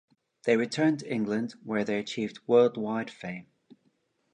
They returned to England, where they achieved worldwide fame.